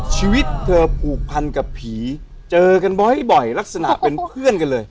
ชีวิตเธอผูกพันกับผีเจอกันบ่อยลักษณะเป็นเพื่อนกันเลย